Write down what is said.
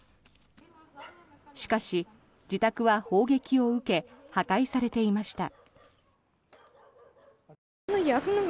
しかし、自宅は砲撃を受け破壊されていました。